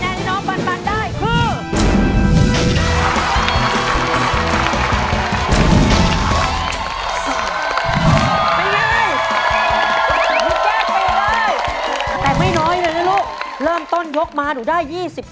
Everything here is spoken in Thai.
แต่ไม่น้อยเนี่ยลูกเริ่มต้นยกมาหนูได้๒๙